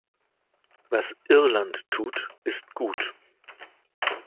Was Irland tut, ist gut.